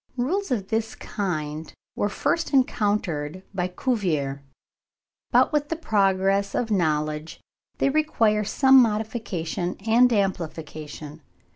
Rules of this kind were first enounced by Cuvier; but with the progress of knowledge they require some modification and amplification.